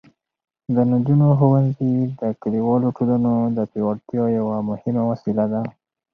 د نجونو ښوونځي د کلیوالو ټولنو د پیاوړتیا یوه مهمه وسیله ده.